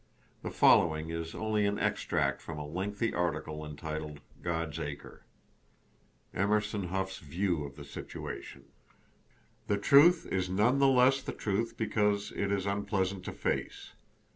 The following is only an extract from a lengthy article entitled, "God's Acre:" EMERSON HOUGH'S VIEW OF THE SITUATION The truth is none the less the truth because it is unpleasant to face.